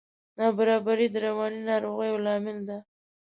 نابرابري د رواني ناروغیو لامل ده.